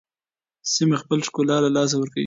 سیمه خپل ښکلا له لاسه ورکوي.